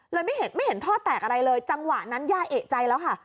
ไม่เห็นไม่เห็นท่อแตกอะไรเลยจังหวะนั้นย่าเอกใจแล้วค่ะ